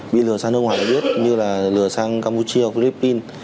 bị lừa sang nước ngoài để biết như là lừa sang campuchia philippines